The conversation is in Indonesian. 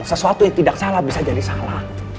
sesuatu yang tidak salah bisa jadi salah